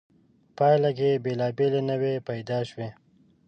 په پایله کې بېلابېلې نوعې پیدا شوې.